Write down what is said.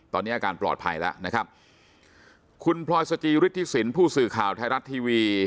ตอนนี้อาการปลอดภัยแล้วนะครับคุณพลอยสจิฤทธิสินผู้สื่อข่าวไทยรัฐทีวี